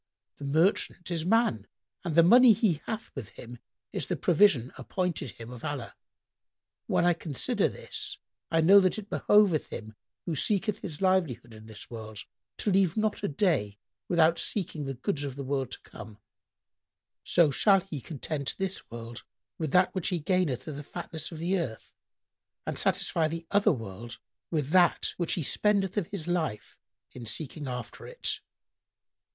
The merchant is man and the money he hath with him is the provision appointed him of Allah. When I consider this, I know that it behoveth him who seeketh his livelihood in this world to leave not a day without seeking the goods of the world to come, so shall he content this world with that which he gaineth of the fatness of the earth and satisfy the other world with that which he spendeth of his life in seeking after it."